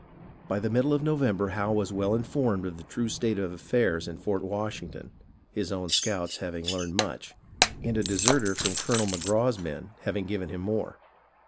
By the middle of November Howe was well informed of the true state of affairs in Fort Washington, his own scouts having learned much, and a deserter from Colonel Magraw's men having given him more.